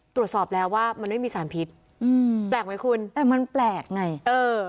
ตรวจสอบแล้วว่ามันไม่มีสารพิษอืมแปลกไหมคุณแต่มันแปลกไงเออ